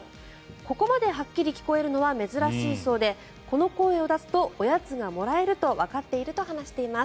ここまではっきり聞こえるのは珍しいそうでこの声を出すとおやつがもらえるとわかっていると話しています。